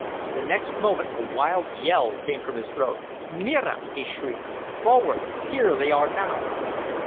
The next moment a wild yell came from his throat. "Mira!" he shrieked. "Forward! Here they are now!"